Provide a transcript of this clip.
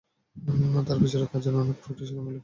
তার বিচারক কাজের অনেক ত্রুটি সেখানে উল্লেখ করা হয়েছে।